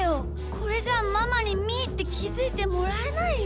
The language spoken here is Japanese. これじゃママにみーってきづいてもらえないよ。